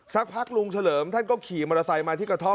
สักพักลุงเฉลิมท่านก็ขี่มอเตอร์ไซค์มาที่กระท่อม